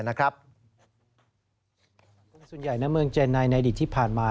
ส่วนใหญ่ในเมืองเจนไนในอดีตที่ผ่านมา